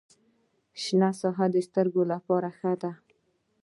شنه ساحه د سترګو لپاره ښه ده.